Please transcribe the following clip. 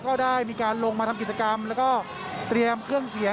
ก็ได้มีการลงมาทำกิจกรรมแล้วก็เตรียมเครื่องเสียง